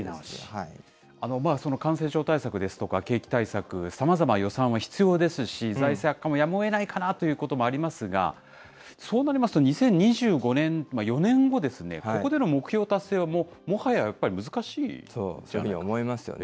まあ、感染症対策ですとか、景気対策、さまざま予算は必要ですし、財政悪化もやむをえないかなということもありますが、そうなりますと２０２５年、４年後ですね、ここでの目標達成はもはややっぱり難しいですよね？